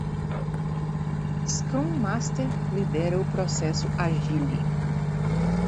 Scrum Master lidera o processo Agile.